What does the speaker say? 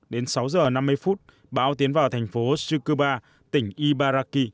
đến sáu giờ năm mươi phút bão tiến vào thành phố sukuba tỉnh ibaraki